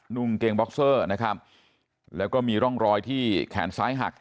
นุ่งเกงบ็อกเซอร์นะครับแล้วก็มีร่องรอยที่แขนซ้ายหัก